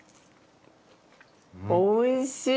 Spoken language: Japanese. おいしい！